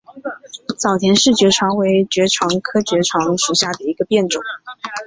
早田氏爵床为爵床科爵床属下的一个变种。